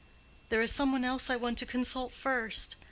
"There is some one else I want to consult first.